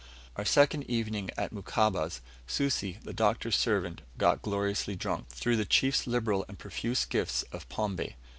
Our second evening at Mukamba's, Susi, the Doctor's servant, got gloriously drunk, through the chief's liberal and profuse gifts of pombe.